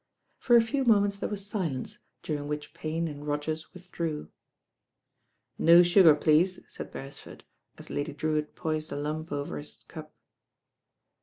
For a few moments there was silence, during which Payne and Rogers withdrew. "No sugar, please," said Beresford, as Lady Drewitt poised a lump over his cup.